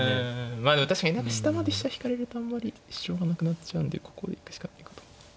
まあでも確かに下まで飛車引かれるとあんまり主張がなくなっちゃうんでここへ行くしかないかと。